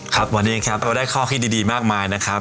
ครับวันนี้ครับเราได้ข้อคิดดีมากมายนะครับ